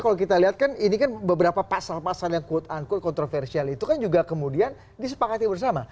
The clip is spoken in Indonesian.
kalau kita lihat kan ini kan beberapa pasal pasal yang quote unquote kontroversial itu kan juga kemudian disepakati bersama